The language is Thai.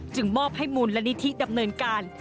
จึงมอบให้มูลและนิธิดำเนินการ